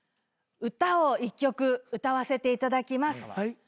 歌を１曲歌わせていただきます。